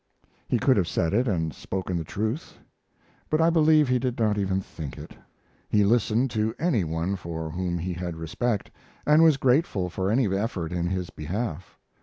He could have said it and spoken the truth; but I believe he did not even think it. He listened to any one for whom he had respect, and was grateful for any effort in his behalf.